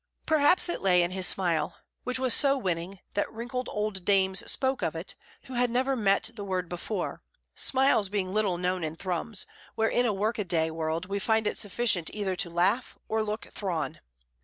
Perhaps it lay in his smile, which was so winning that wrinkled old dames spoke of it, who had never met the word before, smiles being little known in Thrums, where in a workaday world we find it sufficient either to laugh or to look thrawn.